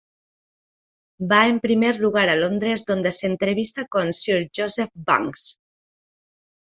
Va en primer lugar a Londres dónde se entrevista con Sir Joseph Banks.